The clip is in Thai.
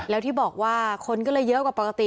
แล้วที่บอกว่าคนก็เลยเยอะกว่าปกติ